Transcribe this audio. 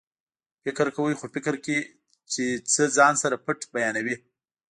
فکر کوئ خو فکر کې چې څه ځان سره پټ بیانوي